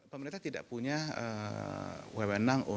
pemerintah tidak punya wewenang